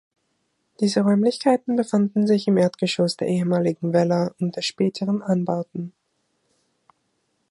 Diese Räumlichkeiten befanden sich im Erdgeschoss der ehemaligen Villa und der späteren Anbauten.